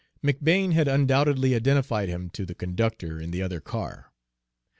McBane had undoubtedly identified him to the conductor in the other car.